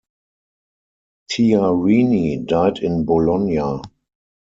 Tiarini died in Bologna.